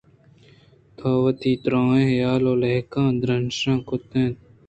تو وتی دُرّیں حیال ءُلیکہ درشان کُت اَنت